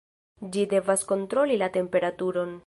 Ĝi devas kontroli la temperaturon.